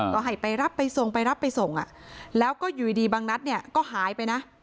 ก็ให้ไปรับไปส่งไปรับไปส่งแล้วก็อยู่ดีบางนัดเนี่ยก็หายไปนะ